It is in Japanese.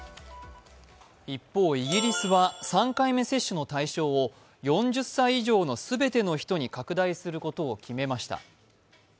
一方、イギリスは３回目接種の対象を４０歳以上の全ての人に拡大することを決めました。